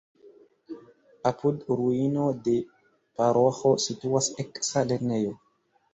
Apud ruino de paroĥo situas eksa lernejo.